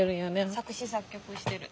作詞作曲してる。